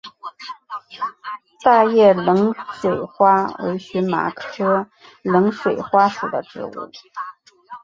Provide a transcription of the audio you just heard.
大叶冷水花为荨麻科冷水花属的植物。